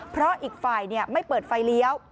เพราะอีกฝ่ายไม่เปิดไฟเลี้ยว